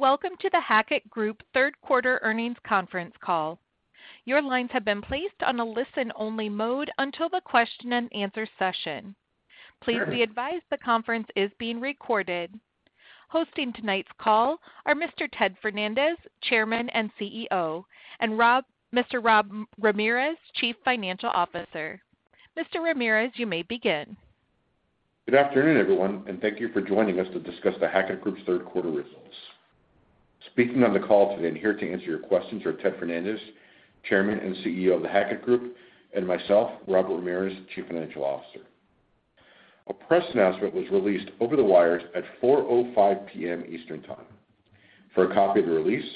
Welcome to The Hackett Group third quarter earnings conference call. Your lines have been placed on a listen-only mode until the question and answer session. Please be advised the conference is being recorded. Hosting tonight's call are Mr. Ted Fernandez, Chairman and CEO, and Mr. Rob Ramirez, Chief Financial Officer. Mr. Ramirez, you may begin. Good afternoon, everyone. Thank you for joining us to discuss The Hackett Group's third quarter results. Speaking on the call today and here to answer your questions are Ted Fernandez, Chairman and CEO of The Hackett Group, and myself, Rob Ramirez, Chief Financial Officer. A press announcement was released over the wires at 4:05 P.M. Eastern Time. For a copy of the release,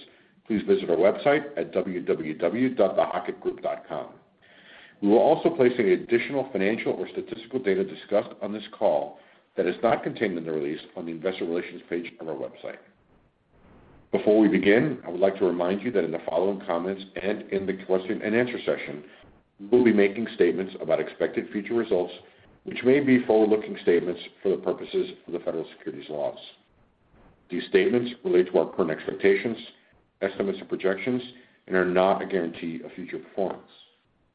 please visit our website at www.thehackettgroup.com. We will also place any additional financial or statistical data discussed on this call that is not contained in the release on the investor relations page of our website. Before we begin, I would like to remind you that in the following comments and in the question and answer session, we will be making statements about expected future results, which may be forward-looking statements for the purposes of the federal securities laws. These statements relate to our current expectations, estimates, and projections and are not a guarantee of future performance.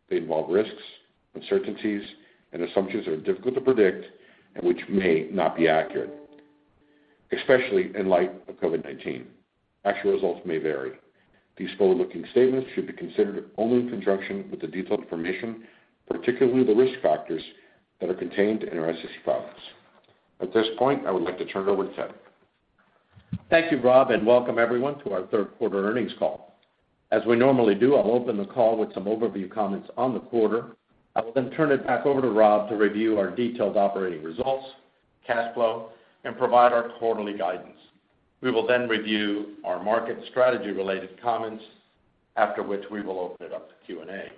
They involve risks, uncertainties, and assumptions that are difficult to predict and which may not be accurate, especially in light of COVID-19. Actual results may vary. These forward-looking statements should be considered only in conjunction with the detailed information, particularly the risk factors that are contained in our SEC filings. At this point, I would like to turn it over to Ted. Thank you, Rob. Welcome everyone to our third quarter earnings call. As we normally do, I'll open the call with some overview comments on the quarter. I will then turn it back over to Rob to review our detailed operating results, cash flow, and provide our quarterly guidance. We will then review our market strategy-related comments, after which we will open it up to Q&A.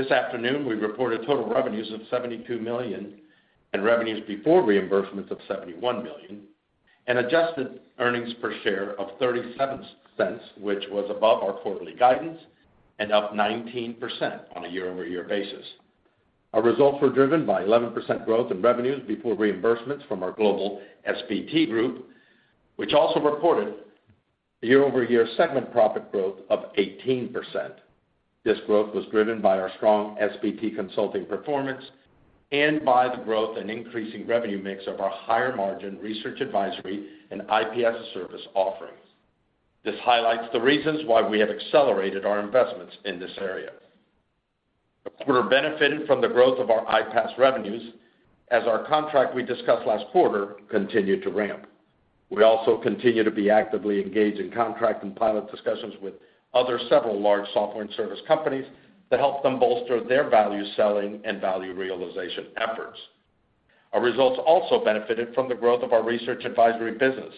This afternoon, we reported total revenues of $72 million and revenues before reimbursements of $71 million, and adjusted earnings per share of $0.37, which was above our quarterly guidance and up 19% on a year-over-year basis. Our results were driven by 11% growth in revenues before reimbursements from our Global S&BT group, which also reported year-over-year segment profit growth of 18%. This growth was driven by our strong SBT consulting performance and by the growth and increasing revenue mix of our higher margin research advisory and IPAS service offerings. This highlights the reasons why we have accelerated our investments in this area. The quarter benefited from the growth of our IPAS revenues as our contract we discussed last quarter continued to ramp. We also continue to be actively engaged in contract and pilot discussions with several large software and service companies to help them bolster their value-selling and value realization efforts. Our results also benefited from the growth of our research advisory business.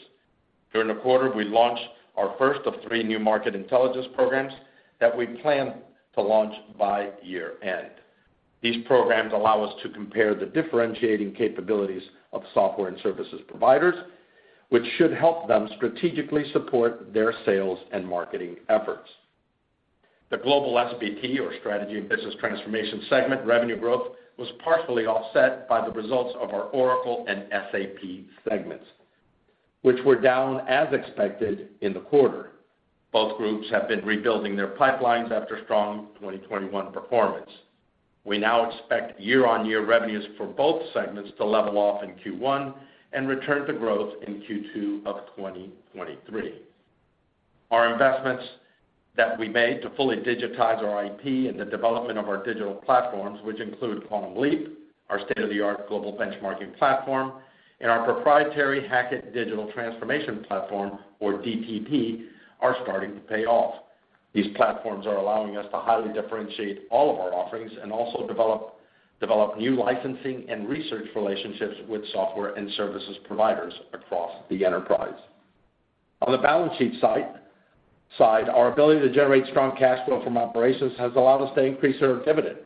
During the quarter, we launched our first of three new market intelligence programs that we plan to launch by year-end. These programs allow us to compare the differentiating capabilities of software and services providers, which should help them strategically support their sales and marketing efforts. The Global SBT, or strategy and business transformation segment revenue growth, was partially offset by the results of our Oracle and SAP segments, which were down as expected in the quarter. Both groups have been rebuilding their pipelines after strong 2021 performance. We now expect year-on-year revenues for both segments to level off in Q1 and return to growth in Q2 of 2023. Our investments that we made to fully digitize our IP and the development of our digital platforms, which include Quantum Leap, our state-of-the-art global benchmarking platform, and our proprietary Hackett Digital Transformation Platform, or DTP, are starting to pay off. These platforms are allowing us to highly differentiate all of our offerings and also develop new licensing and research relationships with software and services providers across the enterprise. On the balance sheet side, our ability to generate strong cash flow from operations has allowed us to increase our dividend.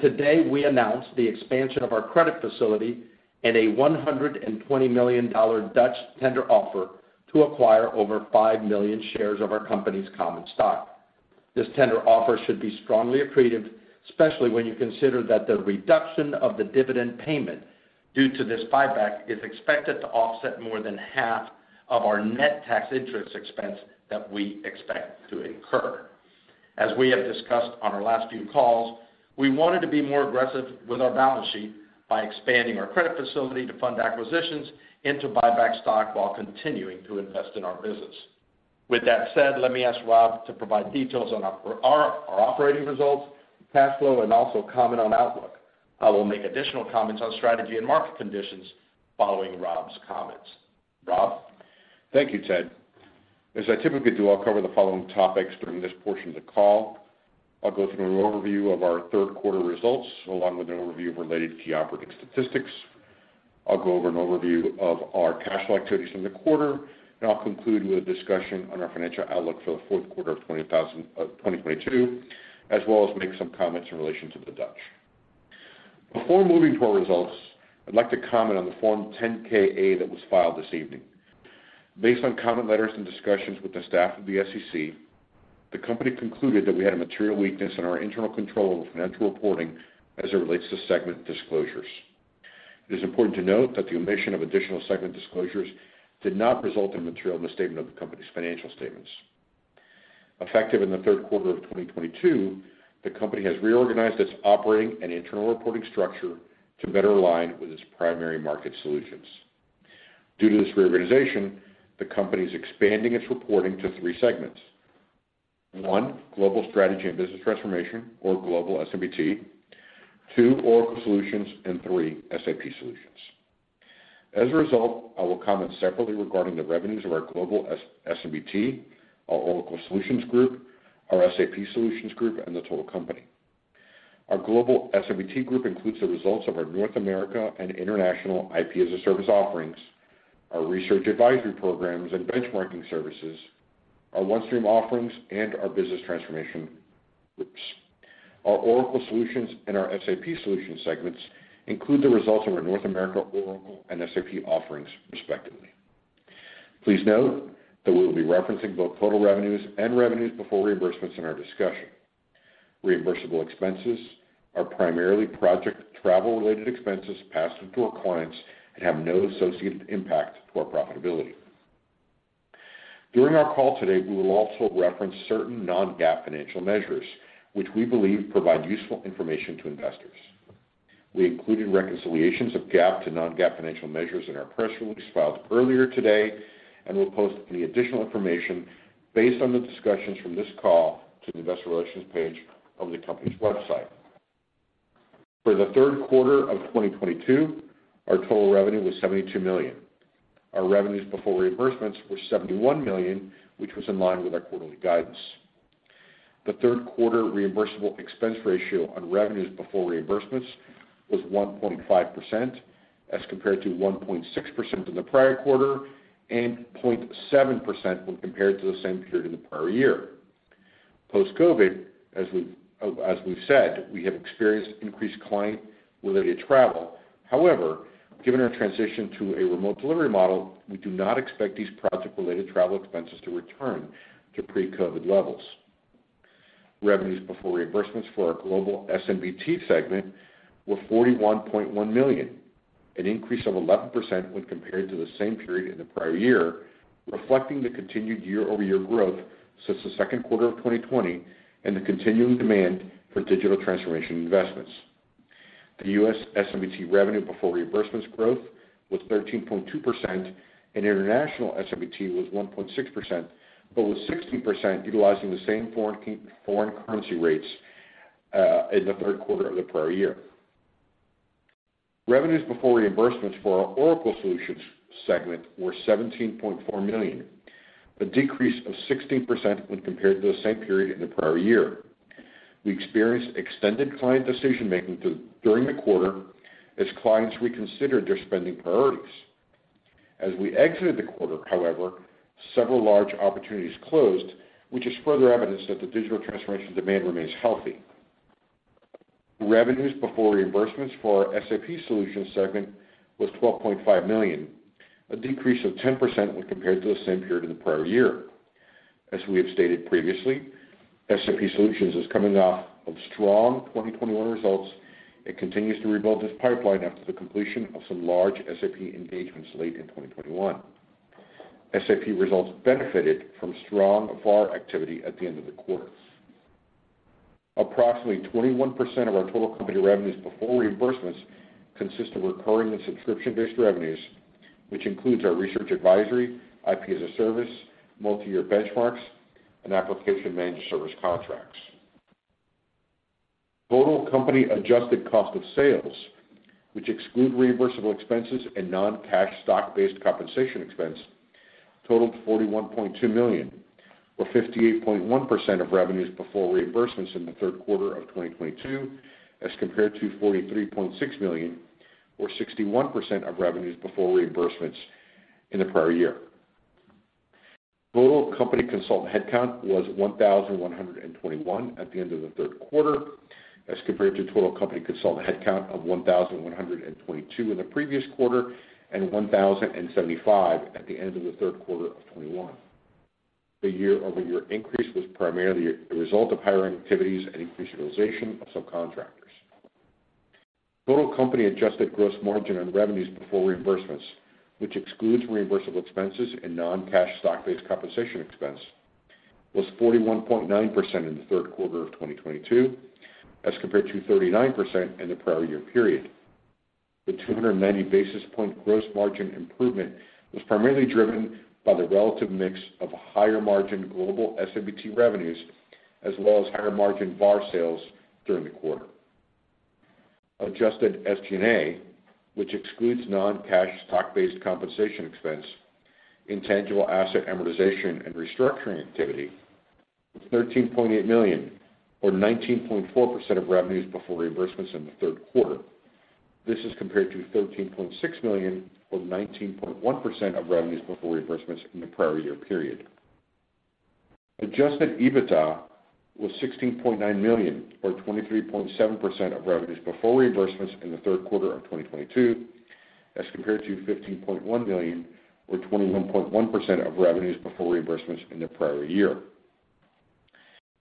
Today, we announced the expansion of our credit facility and a $120 million Dutch tender offer to acquire over five million shares of our company's common stock. This tender offer should be strongly accretive, especially when you consider that the reduction of the dividend payment due to this buyback is expected to offset more than half of our net tax interest expense that we expect to incur. As we have discussed on our last few calls, we wanted to be more aggressive with our balance sheet by expanding our credit facility to fund acquisitions and to buy back stock while continuing to invest in our business. With that said, let me ask Rob to provide details on our operating results, cash flow, and also comment on outlook. I will make additional comments on strategy and market conditions following Rob's comments. Rob? Thank you, Ted. As I typically do, I'll cover the following topics during this portion of the call. I'll go through an overview of our third quarter results, along with an overview of related key operating statistics. I'll go over an overview of our cash flow activities in the quarter, and I'll conclude with a discussion on our financial outlook for the fourth quarter of 2022, as well as make some comments in relation to the Dutch. Before moving to our results, I'd like to comment on the Form 10-K-A that was filed this evening. Based on comment letters and discussions with the staff of the SEC, the company concluded that we had a material weakness in our internal control over financial reporting as it relates to segment disclosures. It is important to note that the omission of additional segment disclosures did not result in material misstatement of the company's financial statements. Effective in the third quarter of 2022, the company has reorganized its operating and internal reporting structure to better align with its primary market solutions. Due to this reorganization, the company is expanding its reporting to three segments. One, Global Strategy and Business Transformation, or Global S&BT. Two, Oracle Solutions, and three, SAP Solutions. As a result, I will comment separately regarding the revenues of our Global S&BT, our Oracle Solutions group, our SAP Solutions group, and the total company. Our Global S&BT group includes the results of our North America and international IP as-a-Service offerings, our research advisory programs and benchmarking services, our OneStream offerings, and our business transformation groups. Our Oracle Solutions and our SAP Solutions segments include the results of our North America Oracle and SAP offerings, respectively. Please note that we will be referencing both total revenues and revenues before reimbursements in our discussion. Reimbursable expenses are primarily project travel-related expenses passed on to our clients and have no associated impact to our profitability. During our call today, we will also reference certain non-GAAP financial measures, which we believe provide useful information to investors. We included reconciliations of GAAP to non-GAAP financial measures in our press release filed earlier today, and we'll post any additional information based on the discussions from this call to the investor relations page of the company's website. For the third quarter of 2022, our total revenue was $72 million. Our revenues before reimbursements were $71 million, which was in line with our quarterly guidance. The third quarter reimbursable expense ratio on revenues before reimbursements was 1.5%, as compared to 1.6% in the prior quarter and 0.7% when compared to the same period in the prior year. Post-COVID, as we've said, we have experienced increased client-related travel. However, given our transition to a remote delivery model, we do not expect these project-related travel expenses to return to pre-COVID levels. Revenues before reimbursements for our Global S&BT segment were $41.1 million, an increase of 11% when compared to the same period in the prior year, reflecting the continued year-over-year growth since the second quarter of 2020 and the continuing demand for digital transformation investments. The U.S. S&BT revenue before reimbursements growth was 13.2%, and international S&BT was 1.6%, but was 16% utilizing the same foreign currency rates in the third quarter of the prior year. Revenues before reimbursements for our Oracle Solutions segment were $17.4 million, a decrease of 16% when compared to the same period in the prior year. We experienced extended client decision-making during the quarter as clients reconsidered their spending priorities. As we exited the quarter, however, several large opportunities closed, which is further evidence that the digital transformation demand remains healthy. Revenues before reimbursements for our SAP Solutions segment was $12.5 million, a decrease of 10% when compared to the same period in the prior year. As we have stated previously, SAP Solutions is coming off of strong 2021 results. It continues to rebuild its pipeline after the completion of some large SAP engagements late in 2021. SAP results benefited from strong VAR activity at the end of the quarter. Approximately 21% of our total company revenues before reimbursements consist of recurring and subscription-based revenues, which includes our research advisory, IP as-a-Service, multi-year benchmarks, and application managed service contracts. Total company adjusted cost of sales, which exclude reimbursable expenses and non-cash stock-based compensation expense, totaled $41.2 million, or 58.1% of revenues before reimbursements in the third quarter of 2022, as compared to $43.6 million, or 61% of revenues before reimbursements in the prior year. Total company consultant headcount was 1,121 at the end of the third quarter, as compared to total company consultant headcount of 1,122 in the previous quarter and 1,075 at the end of the third quarter of 2021. The year-over-year increase was primarily a result of hiring activities and increased utilization of subcontractors. Total company adjusted gross margin on revenues before reimbursements, which excludes reimbursable expenses and non-cash stock-based compensation expense, was 41.9% in the third quarter of 2022, as compared to 39% in the prior year period. The 290 basis point gross margin improvement was primarily driven by the relative mix of higher margin Global S&BT revenues, as well as higher margin VAR sales during the quarter. Adjusted SG&A, which excludes non-cash stock-based compensation expense, intangible asset amortization, and restructuring activity, was $13.8 million, or 19.4% of revenues before reimbursements in the third quarter. This is compared to $13.6 million, or 19.1% of revenues before reimbursements in the prior year period. Adjusted EBITDA was $16.9 million, or 23.7% of revenues before reimbursements in the third quarter of 2022, as compared to $15.1 million, or 21.1% of revenues before reimbursements in the prior year.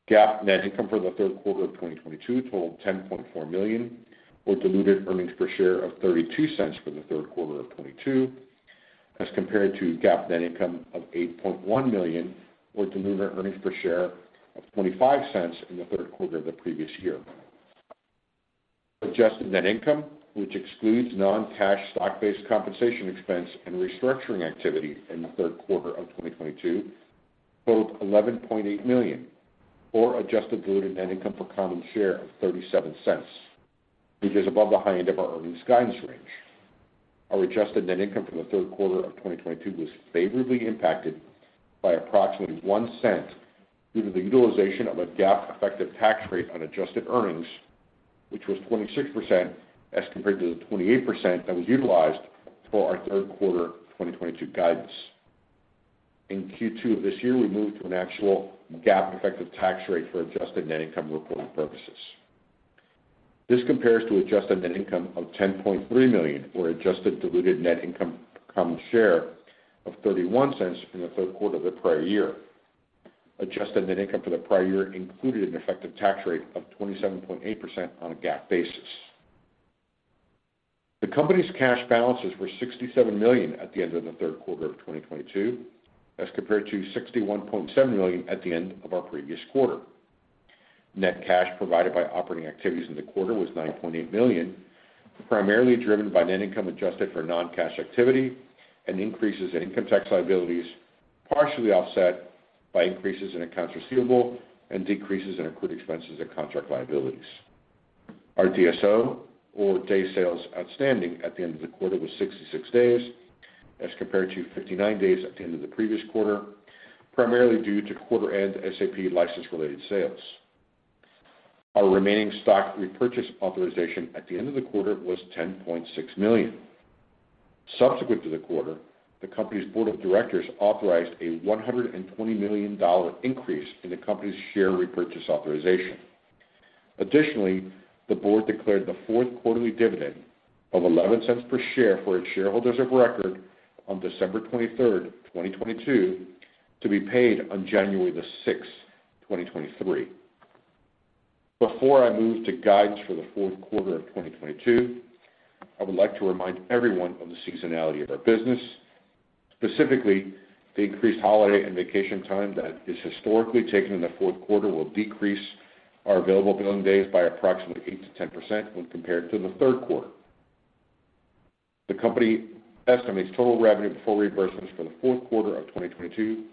GAAP net income for the third quarter of 2022 totaled $10.4 million, or diluted earnings per share of $0.32 for the third quarter of 2022, as compared to GAAP net income of $8.1 million, or diluted earnings per share of $0.25 in the third quarter of the previous year. Adjusted net income, which excludes non-cash stock-based compensation expense and restructuring activity in the third quarter of 2022, totaled $11.8 million or adjusted diluted net income per common share of $0.37, which is above the high end of our earnings guidance range. Our adjusted net income for the third quarter of 2022 was favorably impacted by approximately $0.01 due to the utilization of a GAAP effective tax rate on adjusted earnings, which was 26% as compared to the 28% that was utilized for our third quarter 2022 guidance. In Q2 of this year, we moved to an actual GAAP effective tax rate for adjusted net income reporting purposes. This compares to adjusted net income of $10.3 million or adjusted diluted net income per common share of $0.31 in the third quarter of the prior year. Adjusted net income for the prior year included an effective tax rate of 27.8% on a GAAP basis. The company's cash balances were $67 million at the end of the third quarter of 2022, as compared to $61.7 million at the end of our previous quarter. Net cash provided by operating activities in the quarter was $9.8 million, primarily driven by net income adjusted for non-cash activity and increases in income tax liabilities, partially offset by increases in accounts receivable and decreases in accrued expenses and contract liabilities. Our DSO, or day sales outstanding, at the end of the quarter was 66 days as compared to 59 days at the end of the previous quarter, primarily due to quarter-end SAP license-related sales. Our remaining stock repurchase authorization at the end of the quarter was $10.6 million. Subsequent to the quarter, the company's board of directors authorized a $120 million increase in the company's share repurchase authorization. Additionally, the board declared the fourth quarterly dividend of $0.11 per share for its shareholders of record on December 23rd, 2022, to be paid on January 6th, 2023. Before I move to guidance for the fourth quarter of 2022, I would like to remind everyone of the seasonality of our business, specifically the increased holiday and vacation time that is historically taken in the fourth quarter will decrease our available billing days by approximately 8%-10% when compared to the third quarter. The company estimates total revenue before reimbursements for the fourth quarter of 2022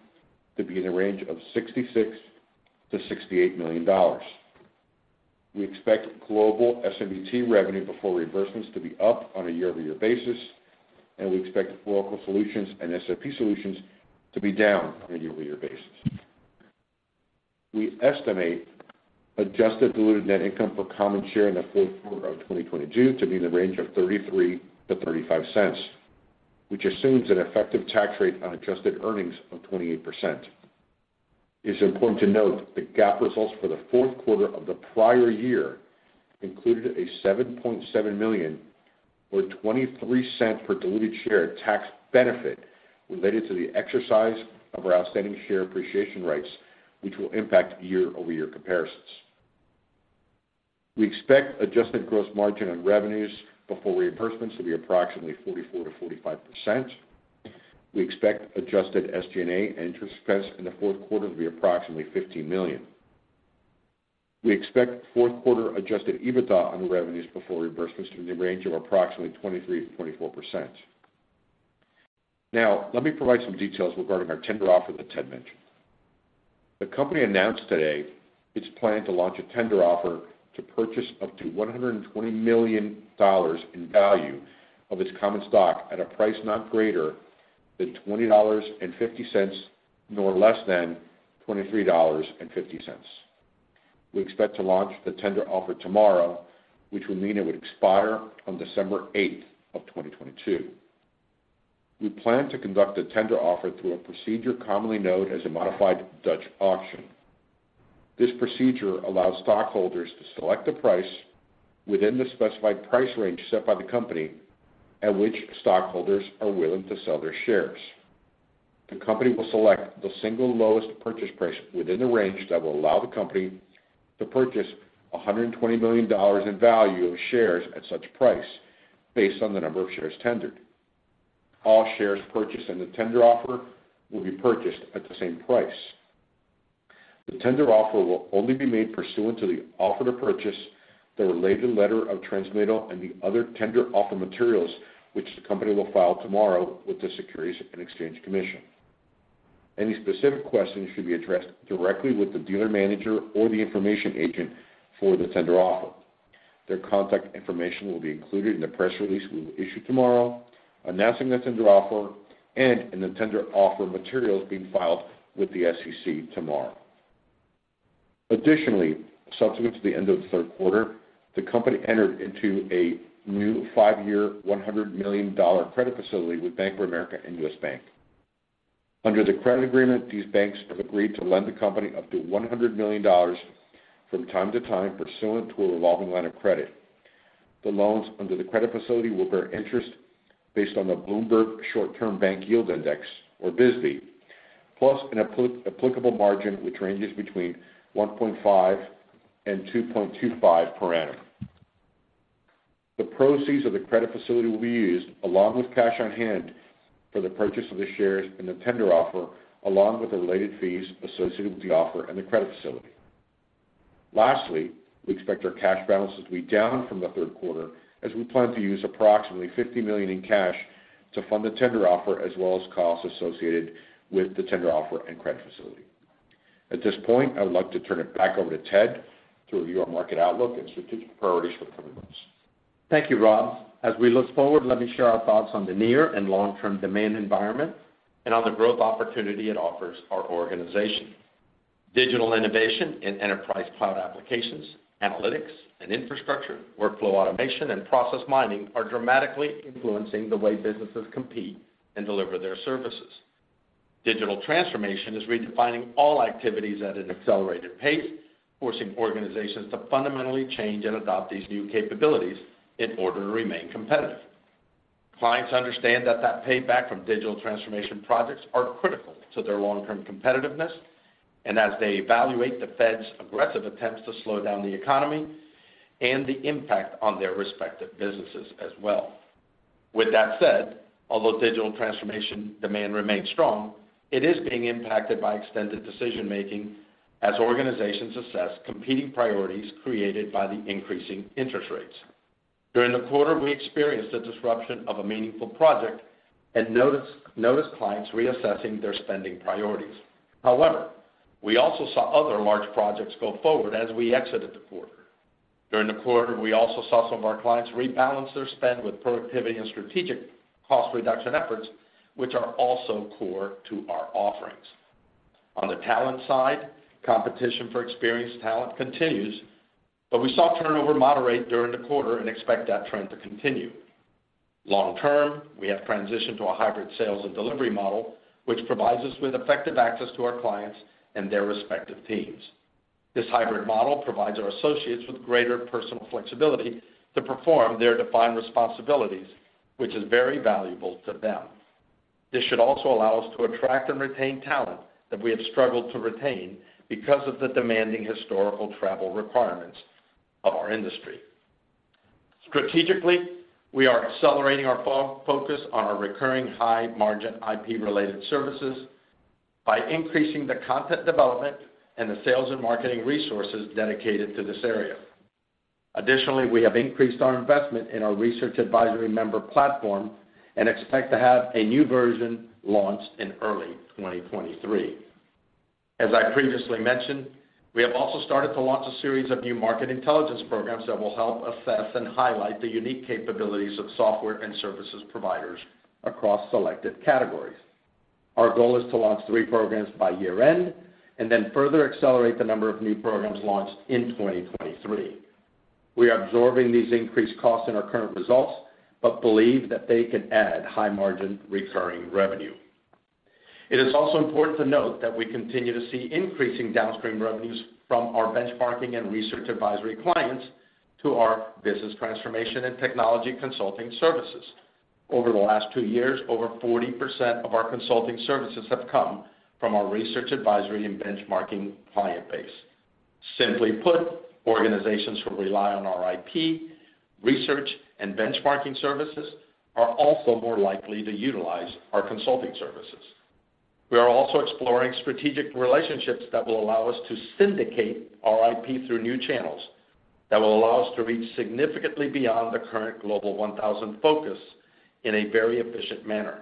to be in the range of $66 million-$68 million. We expect Global S&BT revenue before reimbursements to be up on a year-over-year basis, and we expect Oracle Solutions and SAP Solutions to be down on a year-over-year basis. We estimate adjusted diluted net income per common share in the fourth quarter of 2022 to be in the range of $0.33-$0.35, which assumes an effective tax rate on adjusted earnings of 28%. It is important to note that the GAAP results for the fourth quarter of the prior year included a $7.7 million or $0.23 per diluted share tax benefit related to the exercise of our outstanding share appreciation rights, which will impact year-over-year comparisons. We expect adjusted gross margin on revenues before reimbursements to be approximately 44%-45%. We expect adjusted SG&A and interest expense in the fourth quarter to be approximately $15 million. We expect fourth quarter adjusted EBITDA on revenues before reimbursements to be in the range of approximately 23%-24%. Now, let me provide some details regarding our tender offer that Ted mentioned. The company announced today its plan to launch a tender offer to purchase up to $120 million in value of its common stock at a price not greater than $20.50, nor less than $23.50. We expect to launch the tender offer tomorrow, which would mean it would expire on December 8, 2022. We plan to conduct the tender offer through a procedure commonly known as a modified Dutch auction. This procedure allows stockholders to select a price within the specified price range set by the company at which stockholders are willing to sell their shares. The company will select the single lowest purchase price within the range that will allow the company to purchase $120 million in value of shares at such price, based on the number of shares tendered. All shares purchased in the tender offer will be purchased at the same price. The tender offer will only be made pursuant to the offer to purchase, the related letter of transmittal, and the other tender offer materials which the company will file tomorrow with the Securities and Exchange Commission. Any specific questions should be addressed directly with the dealer manager or the information agent for the tender offer. Their contact information will be included in the press release we will issue tomorrow announcing the tender offer and in the tender offer materials being filed with the SEC tomorrow. Additionally, subsequent to the end of the third quarter, the company entered into a new five-year, $100 million credit facility with Bank of America and U.S. Bank. Under the credit agreement, these banks have agreed to lend the company up to $100 million from time to time pursuant to a revolving line of credit. The loans under the credit facility will bear interest based on the Bloomberg Short-Term Bank Yield Index, or BSBY, plus an applicable margin, which ranges between 1.5% and 2.25% per annum. The proceeds of the credit facility will be used, along with cash on hand, for the purchase of the shares in the tender offer, along with the related fees associated with the offer and the credit facility. Lastly, we expect our cash balance to be down from the third quarter as we plan to use approximately $50 million in cash to fund the tender offer, as well as costs associated with the tender offer and credit facility. At this point, I would like to turn it back over to Ted to review our market outlook and strategic priorities for the coming months. Thank you, Rob. As we look forward, let me share our thoughts on the near and long-term demand environment and on the growth opportunity it offers our organization. Digital innovation in enterprise cloud applications, analytics, and infrastructure, workflow automation, and process mining are dramatically influencing the way businesses compete and deliver their services. Digital transformation is redefining all activities at an accelerated pace, forcing organizations to fundamentally change and adopt these new capabilities in order to remain competitive. Clients understand that payback from digital transformation projects are critical to their long-term competitiveness, and as they evaluate the Fed's aggressive attempts to slow down the economy and the impact on their respective businesses as well. With that said, although digital transformation demand remains strong, it is being impacted by extended decision-making as organizations assess competing priorities created by the increasing interest rates. During the quarter, we experienced the disruption of a meaningful project and noticed clients reassessing their spending priorities. We also saw other large projects go forward as we exited the quarter. During the quarter, we also saw some of our clients rebalance their spend with productivity and strategic cost reduction efforts, which are also core to our offerings. On the talent side, competition for experienced talent continues, but we saw turnover moderate during the quarter and expect that trend to continue. Long term, we have transitioned to a hybrid sales and delivery model, which provides us with effective access to our clients and their respective teams. This hybrid model provides our associates with greater personal flexibility to perform their defined responsibilities, which is very valuable to them. This should also allow us to attract and retain talent that we have struggled to retain because of the demanding historical travel requirements of our industry. Strategically, we are accelerating our focus on our recurring high-margin IP-related services by increasing the content development and the sales and marketing resources dedicated to this area. Additionally, we have increased our investment in our research advisory member platform and expect to have a new version launched in early 2023. As I previously mentioned, we have also started to launch a series of new market intelligence programs that will help assess and highlight the unique capabilities of software and services providers across selected categories. Our goal is to launch three programs by year-end and further accelerate the number of new programs launched in 2023. We are absorbing these increased costs in our current results but believe that they can add high margin recurring revenue. It is also important to note that we continue to see increasing downstream revenues from our benchmarking and research advisory clients to our business transformation and technology consulting services. Over the last two years, over 40% of our consulting services have come from our research advisory and benchmarking client base. Simply put, organizations who rely on our IP, research, and benchmarking services are also more likely to utilize our consulting services. We are also exploring strategic relationships that will allow us to syndicate our IP through new channels that will allow us to reach significantly beyond the current Global 1000 focus in a very efficient manner.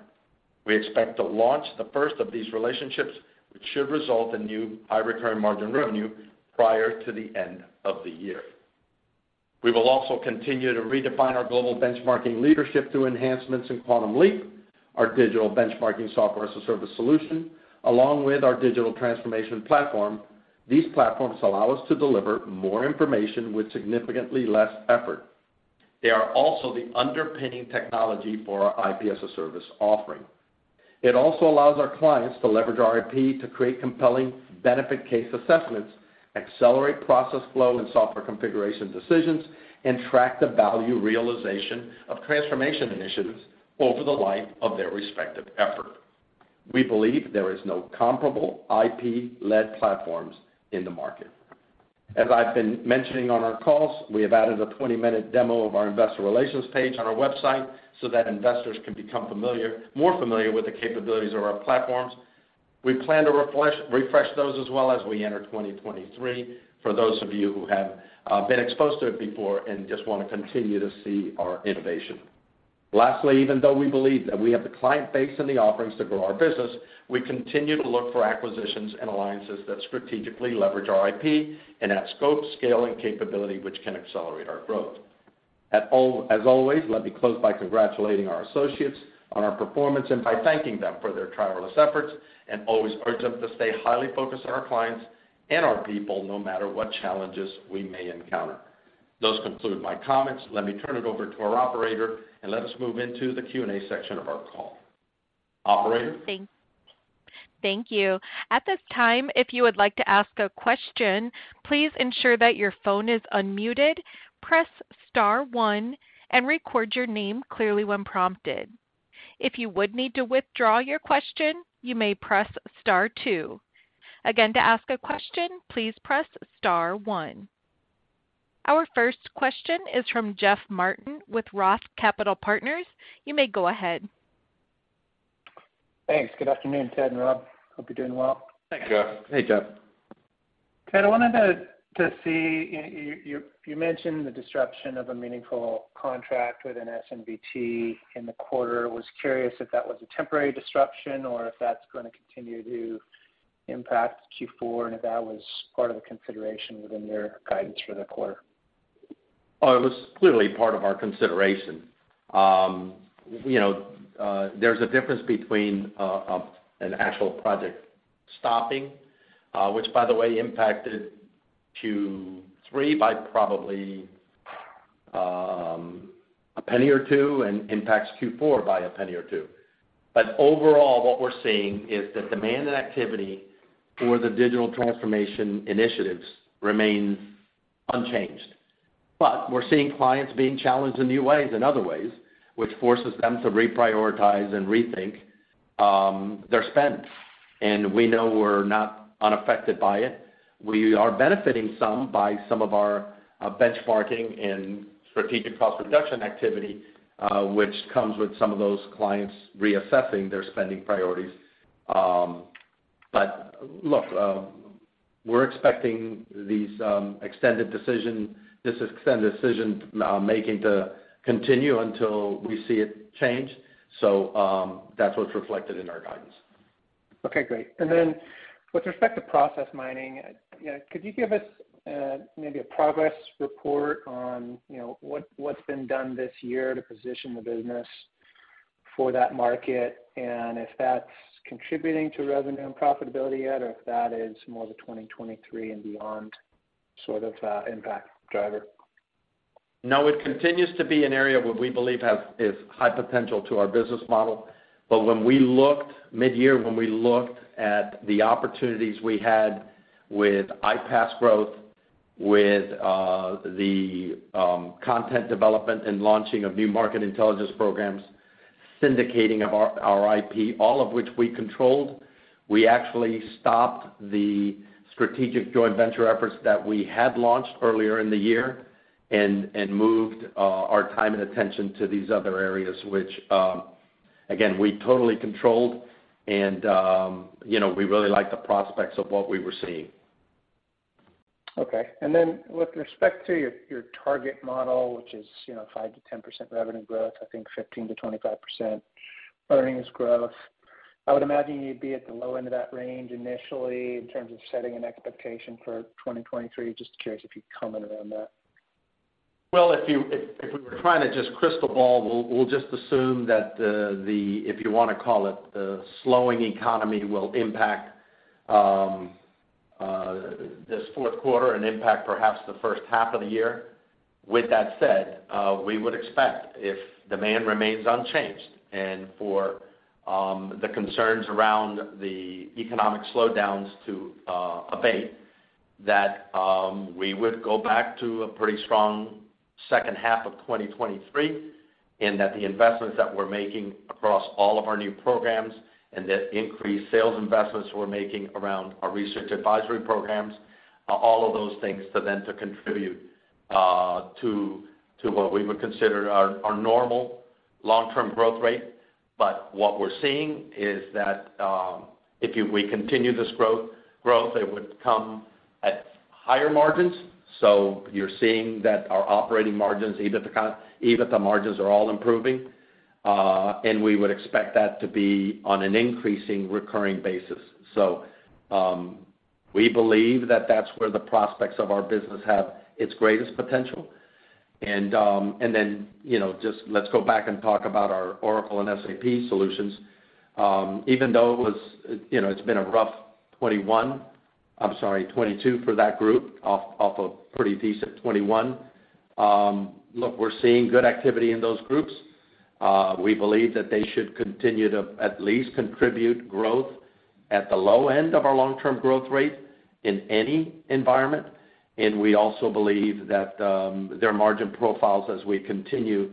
We expect to launch the first of these relationships, which should result in new high-recurring margin revenue, prior to the end of the year. We will also continue to redefine our global benchmarking leadership through enhancements in Quantum Leap, our digital benchmarking software-as-a-service solution, along with our Digital Transformation Platform. These platforms allow us to deliver more information with significantly less effort. They are also the underpinning technology for our IP as-a-Service offering. It also allows our clients to leverage our IP to create compelling benefit case assessments, accelerate process flow and software configuration decisions, and track the value realization of transformation initiatives over the life of their respective effort. We believe there is no comparable IP-led platforms in the market. As I've been mentioning on our calls, we have added a 20-minute demo of our investor relations page on our website so that investors can become more familiar with the capabilities of our platforms. We plan to refresh those as well as we enter 2023 for those of you who have been exposed to it before and just want to continue to see our innovation. Lastly, even though we believe that we have the client base and the offerings to grow our business, we continue to look for acquisitions and alliances that strategically leverage our IP and add scope, scale, and capability which can accelerate our growth. As always, let me close by congratulating our associates on our performance and by thanking them for their tireless efforts and always urge them to stay highly focused on our clients and our people, no matter what challenges we may encounter. Those conclude my comments. Let me turn it over to our operator and let us move into the Q&A section of our call. Operator? Thank you. At this time, if you would like to ask a question, please ensure that your phone is unmuted, press star one, and record your name clearly when prompted. If you would need to withdraw your question, you may press star two. Again, to ask a question, please press star one. Our first question is from Jeff Martin with ROTH Capital Partners. You may go ahead. Thanks. Good afternoon, Ted and Rob. Hope you're doing well. Thanks, Jeff. Hey, Jeff. Ted, I wanted to see, you mentioned the disruption of a meaningful contract with an S&BT in the quarter. I was curious if that was a temporary disruption or if that's going to continue to impact Q4, if that was part of the consideration within your guidance for the quarter. Oh, it was clearly part of our consideration. There's a difference between an actual project stopping, which by the way, impacted Q3 by probably $0.01 or $0.02, impacts Q4 by $0.01 or $0.02. Overall, what we're seeing is that demand and activity for the digital transformation initiatives remains unchanged. We're seeing clients being challenged in new ways, in other ways, which forces them to reprioritize and rethink their spend. We know we're not unaffected by it. We are benefiting some by some of our benchmarking and strategic cost reduction activity, which comes with some of those clients reassessing their spending priorities. Look, we're expecting this extended decision-making to continue until we see it change. That's what's reflected in our guidance. Okay, great. With respect to process mining, could you give us maybe a progress report on what's been done this year to position the business for that market, if that's contributing to revenue and profitability yet, or if that is more of a 2023 and beyond sort of impact driver? No, it continues to be an area where we believe has high potential to our business model. When we looked mid-year, when we looked at the opportunities we had with IPAS growth, with the content development and launching of new market intelligence programs, syndicating of our IP, all of which we controlled, we actually stopped the strategic joint venture efforts that we had launched earlier in the year and moved our time and attention to these other areas, which, again, we totally controlled. We really liked the prospects of what we were seeing. Okay. With respect to your target model, which is 5%-10% revenue growth, I think 15%-25% earnings growth. I would imagine you'd be at the low end of that range initially in terms of setting an expectation for 2023. Just curious if you'd comment around that. Well, if we were trying to just crystal ball, we'll just assume that the, if you want to call it, slowing economy will impact this fourth quarter and impact perhaps the first half of the year. With that said, we would expect, if demand remains unchanged, and for the concerns around the economic slowdowns to abate, that we would go back to a pretty strong second half of 2023, and that the investments that we're making across all of our new programs, and the increased sales investments we're making around our research advisory programs, all of those things to then to contribute to what we would consider our normal long-term growth rate. What we're seeing is that, if we continue this growth, it would come at higher margins. You're seeing that our operating margins, EBITDA margins are all improving. We would expect that to be on an increasing recurring basis. We believe that that's where the prospects of our business have its greatest potential. Then, just let's go back and talk about our Oracle Solutions and SAP Solutions. Even though it's been a rough 2021, I'm sorry, 2022 for that group, off a pretty decent 2021. Look, we're seeing good activity in those groups. We believe that they should continue to at least contribute growth at the low end of our long-term growth rate in any environment, and we also believe that their margin profiles, as we continue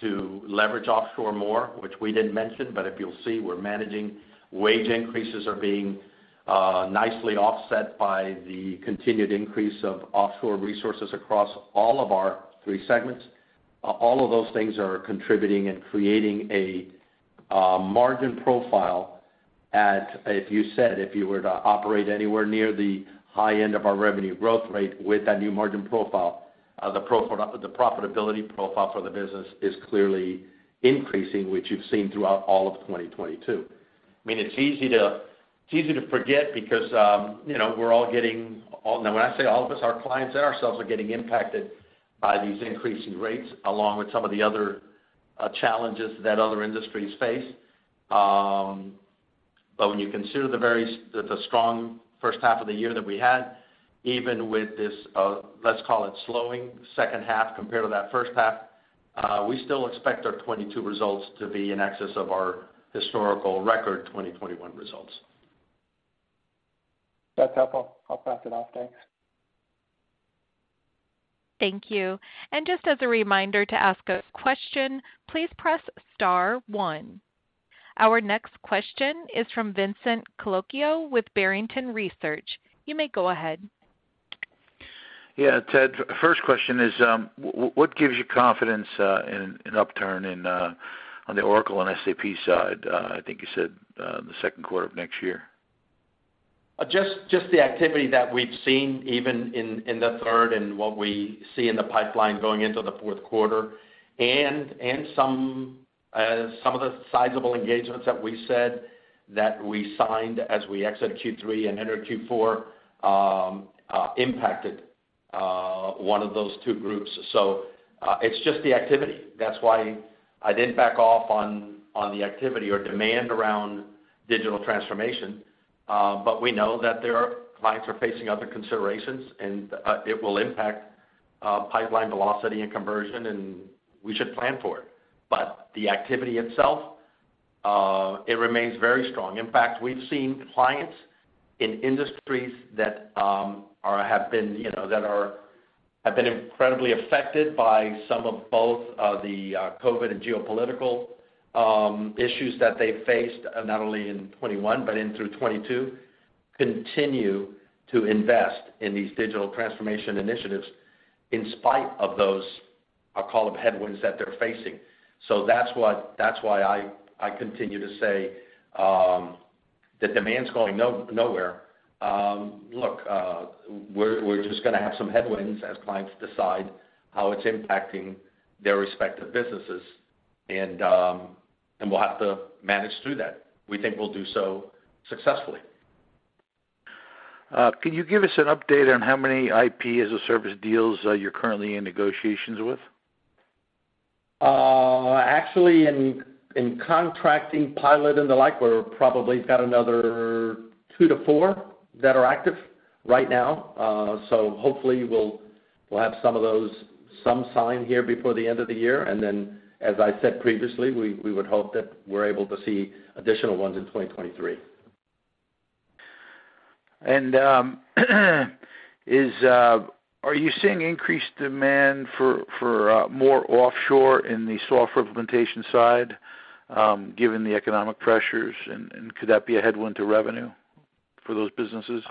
to leverage offshore more, which we didn't mention, but if you'll see, we're managing wage increases are being nicely offset by the continued increase of offshore resources across all of our three segments. All of those things are contributing and creating a margin profile at, if you said, if you were to operate anywhere near the high end of our revenue growth rate with that new margin profile, the profitability profile for the business is clearly increasing, which you've seen throughout all of 2022. It's easy to forget because we're all, when I say all of us, our clients and ourselves are getting impacted by these increasing rates, along with some of the other challenges that other industries face. When you consider the strong first half of the year that we had, even with this, let's call it slowing second half compared to that first half, we still expect our 2022 results to be in excess of our historical record 2021 results. That's helpful. I'll pass it off, thanks. Thank you. Just as a reminder, to ask a question, please press star 1. Our next question is from Vincent Colicchio with Barrington Research. You may go ahead. Ted, first question is, what gives you confidence in an upturn on the Oracle and SAP side? I think you said, the second quarter of next year. The activity that we've seen even in the third and what we see in the pipeline going into the fourth quarter and some of the sizable engagements that we said that we signed as we exit Q3 and enter Q4 impacted one of those two groups. It's just the activity. That's why I didn't back off on the activity or demand around digital transformation. We know that there are clients who are facing other considerations, and it will impact pipeline velocity and conversion, and we should plan for it. The activity itself, it remains very strong. In fact, we've seen clients in industries that have been incredibly affected by some of both the COVID and geopolitical issues that they faced, not only in 2021 but through 2022, continue to invest in these digital transformation initiatives in spite of those, I'll call them headwinds that they're facing. That's why I continue to say that demand's going nowhere. Look, we're just going to have some headwinds as clients decide how it's impacting their respective businesses, and we'll have to manage through that. We think we'll do so successfully. Can you give us an update on how many IP as-a-Service deals you're currently in negotiations with? Actually, in contracting pilot and the like, we're probably got another two to four that are active right now. Hopefully, we'll have some of those, some sign here before the end of the year. As I said previously, we would hope that we're able to see additional ones in 2023. Are you seeing increased demand for more offshore in the soft implementation side, given the economic pressures, and could that be a headwind to revenue for those businesses?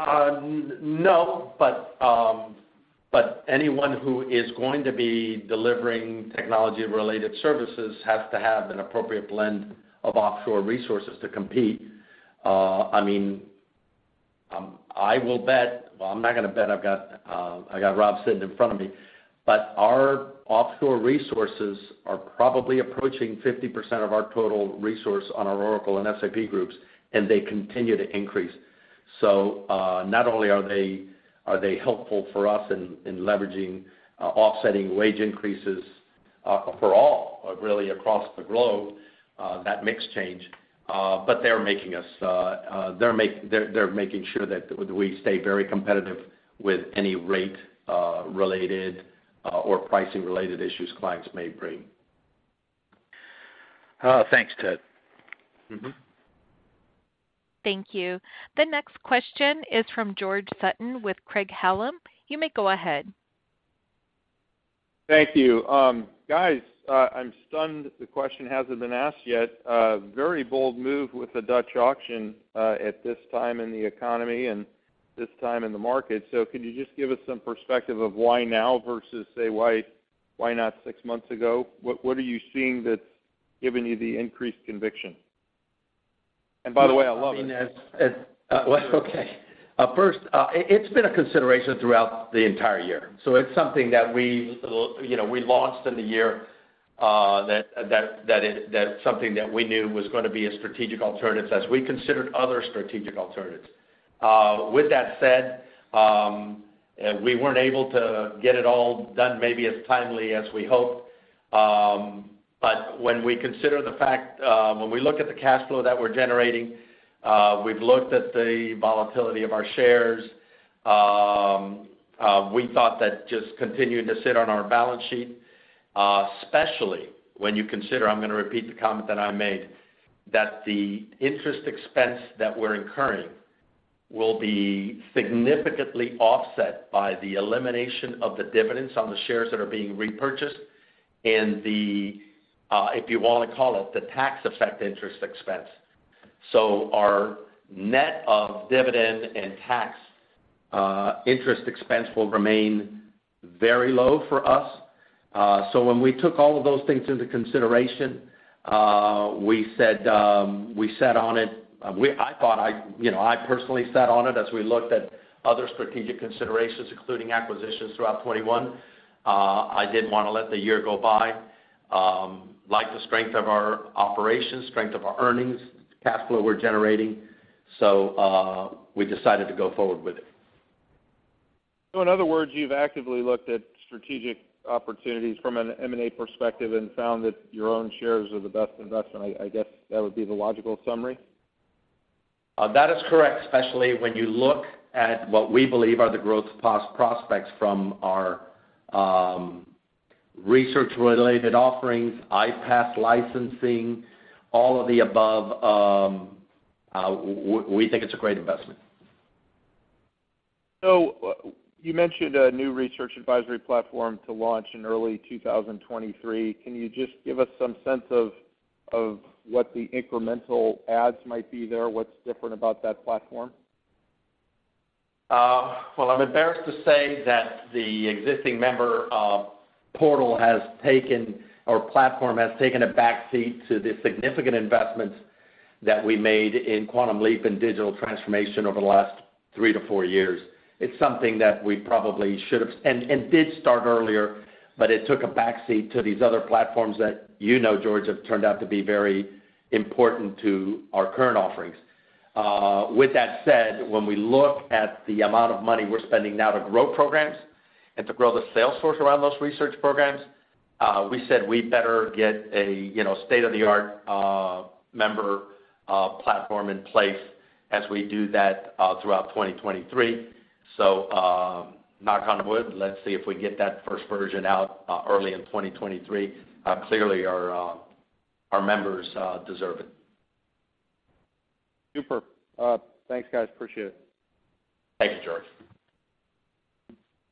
Anyone who is going to be delivering technology-related services has to have an appropriate blend of offshore resources to compete. Well, I'm not going to bet. I've got Rob sitting in front of me. Our offshore resources are probably approaching 50% of our total resource on our Oracle and SAP groups, and they continue to increase. Not only are they helpful for us in leveraging offsetting wage increases, for all, really across the globe, that mix change, but they're making sure that we stay very competitive with any rate-related or pricing-related issues clients may bring. Thanks, Ted. Thank you. The next question is from George Sutton with Craig-Hallum. You may go ahead. Thank you. Guys, I'm stunned the question hasn't been asked yet. Very bold move with the Dutch auction, at this time in the economy and this time in the market. Could you just give us some perspective of why now versus say, why not six months ago? What are you seeing that's giving you the increased conviction? By the way, I love it. Well, okay. First, it's been a consideration throughout the entire year. It's something that we launched in the year, that something that we knew was going to be a strategic alternative as we considered other strategic alternatives. With that said, we weren't able to get it all done maybe as timely as we hoped. When we consider the fact, when we look at the cash flow that we're generating, we've looked at the volatility of our shares, we thought that just continuing to sit on our balance sheet, especially when you consider, I'm going to repeat the comment that I made, that the interest expense that we're incurring will be significantly offset by the elimination of the dividends on the shares that are being repurchased and the, if you want to call it, the tax effect interest expense. Our net of dividend and tax interest expense will remain very low for us. When we took all of those things into consideration, we sat on it. I personally sat on it as we looked at other strategic considerations, including acquisitions throughout 2021. I didn't want to let the year go by. Like the strength of our operations, strength of our earnings, cash flow we're generating, we decided to go forward with it. In other words, you've actively looked at strategic opportunities from an M&A perspective and found that your own shares are the best investment. I guess that would be the logical summary? That is correct, especially when you look at what we believe are the growth prospects from our research-related offerings, IPAS licensing, all of the above. We think it's a great investment. You mentioned a new research advisory platform to launch in early 2023. Can you just give us some sense of what the incremental adds might be there? What's different about that platform? Well, I'm embarrassed to say that the existing member portal has taken, or platform has taken a backseat to the significant investments that we made in Quantum Leap and Digital Transformation over the last three to four years. It's something that we probably should have, and did start earlier, but it took a backseat to these other platforms that you know, George, have turned out to be very important to our current offerings. With that said, when we look at the amount of money we're spending now to grow programs and to grow the sales force around those research programs, we said we better get a state-of-the-art member platform in place as we do that throughout 2023. Knock on wood, let's see if we get that first version out early in 2023. Clearly, our members deserve it. Super. Thanks, guys. Appreciate it. Thank you, George.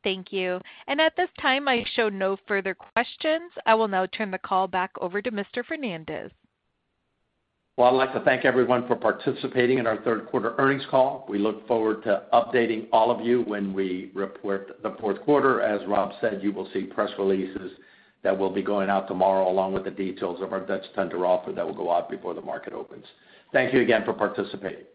Thank you. At this time, I show no further questions. I will now turn the call back over to Mr. Fernandez. Well, I'd like to thank everyone for participating in our third quarter earnings call. We look forward to updating all of you when we report the fourth quarter. As Rob said, you will see press releases that will be going out tomorrow, along with the details of our Dutch tender offer that will go out before the market opens. Thank you again for participating.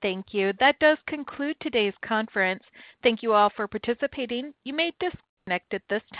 Thank you. That does conclude today's conference. Thank you all for participating. You may disconnect at this time.